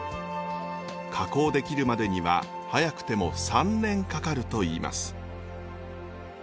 加工できるまでには早くても３年かかるといいます。